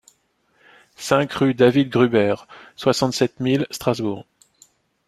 cinq rue David Gruber, soixante-sept mille Strasbourg